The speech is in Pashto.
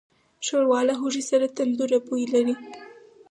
ښوروا له هوږې سره تندهوره بوی لري.